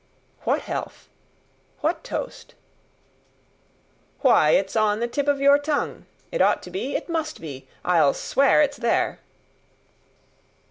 "What health? What toast?" "Why, it's on the tip of your tongue. It ought to be, it must be, I'll swear it's there."